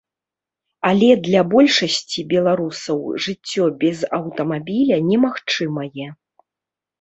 Але для большасці беларусаў жыццё без аўтамабіля немагчымае.